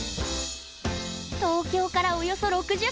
東京から、およそ６０ｋｍ！